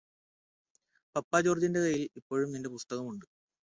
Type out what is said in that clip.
പപ്പ ജോര്ജിന്റെ കയ്യില് ഇപ്പോളും നിന്റെ പുസ്തകം ഉണ്ട്